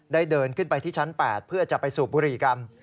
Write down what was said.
เดินขึ้นไปที่ชั้น๘เพื่อจะไปสูบบุหรี่กัน